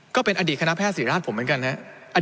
ก็เป็นอดีตคณะแพทยศรีราชผมเหมือนกันครับ